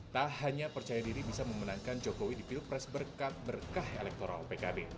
tak hanya percaya diri bisa memenangkan jokowi di pilpres berkat berkah elektoral pkb